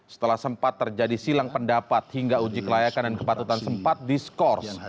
setelah sempat terjadi silang pendapat hingga uji kelayakan dan kepatutan sempat diskors